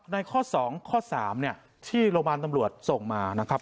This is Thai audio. ในข้อสองข้อสามเนี้ยที่โรงพยาบาลตำรวจส่งมานะครับ